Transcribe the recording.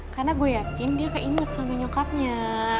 karena gue yakin dia keinget sama nyokapnya